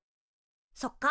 そっか。